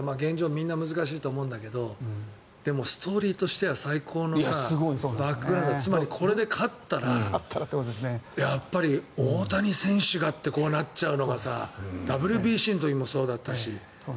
みんな難しいと思うんだけどでも、ストーリーとしては最高のバックグラウンドつまりこれで勝ったらやっぱり大谷選手がってこうなっちゃうのがＷＢＣの時もそうだったし。